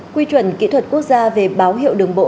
quy chuẩn kỹ thuật quốc gia về báo hiệu đường bộ